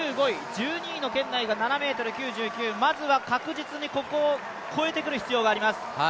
１２位の圏内が７ｍ９９まずは確実にここを越えてくる必要があります。